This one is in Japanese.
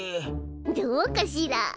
どうかしら？